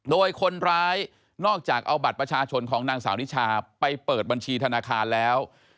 โดยคนร้ายนอกจากเอาบัตรประชาชนของนางสาวนิชาไปเปิดบัญชีธนาคารแล้ว